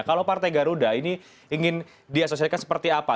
kalau partai garuda ini ingin diasosiasikan seperti apa